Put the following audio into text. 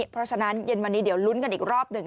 เพราะฉะนั้นเย็นวันนี้เดี๋ยวลุ้นกันอีกรอบหนึ่ง